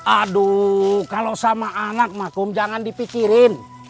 aduh kalau sama anak mah kum jangan dipikirin